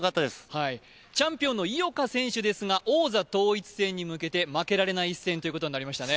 チャンピオンの井岡選手ですが王座統一戦に向けて負けられない一戦ということになりましたね。